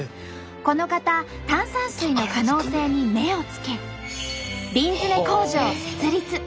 この方炭酸水の可能性に目をつけ瓶詰め工場を設立。